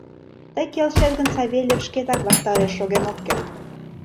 Тый келшет гын, Савельев шкетак ваштареш шоген ок керт.